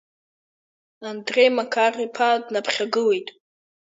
Андреи Макар-иԥа днаԥхьагылеит.